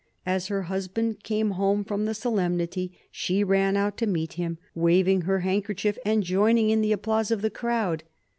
As her husband came home from the solemnity, she ran out to meet him, waving her handkerchief and joining in the applause of the crowd.